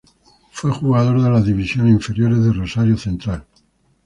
Fue jugador de las divisiones inferiores de Rosario Central.